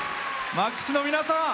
ＭＡＸの皆さん